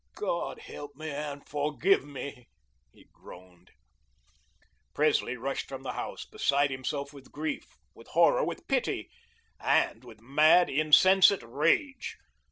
"God help me and forgive me," he groaned. Presley rushed from the house, beside himself with grief, with horror, with pity, and with mad, insensate rage.